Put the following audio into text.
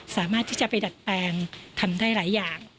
สามารถที่จะไปดัดแปลงทำได้หลายอย่าง